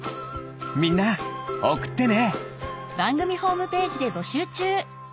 みんなおくってね！